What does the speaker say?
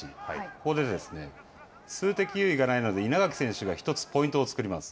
ここで数的優位がないので、稲垣選手が一つポイントを作ります。